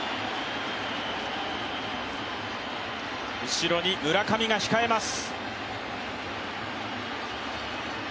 後ろに村上が控えます。